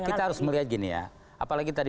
kita harus melihat gini ya apalagi tadi